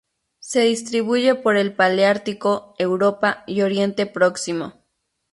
Se distribuye por el paleártico: Europa y Oriente Próximo.